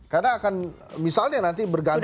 karena akan misalnya nanti berganti